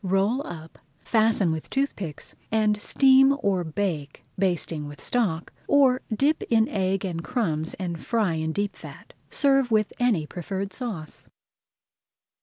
Roll up, fasten with toothpicks, and steam or bake, basting with stock, or dip in egg and crumbs and fry in deep fat. Serve with any preferred sauce.